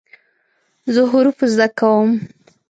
زه حروف زده کوم.